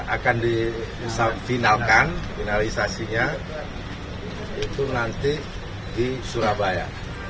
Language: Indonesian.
akan difinalisasi nanti di surabaya